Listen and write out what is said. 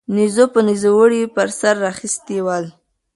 نيزو به نيزوړي پر سر را اخيستي ول